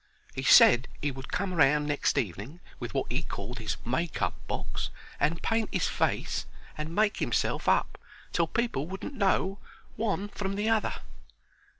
He said 'e would come round next evening with wot 'e called his make up box, and paint 'is face and make 'imself up till people wouldn't know one from the other.